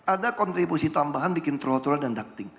ada kontribusi tambahan bikin trotoar dan ducting